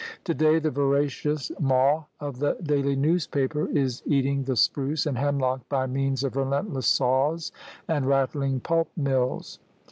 Today the voracious maw of the daily newspaper is eating the spruce and hemlock by means of relentless saws and rattling pulp mills.